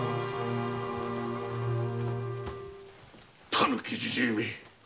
狸じじいめ！